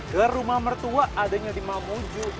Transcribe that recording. ke rumah mertua adanya di mamuju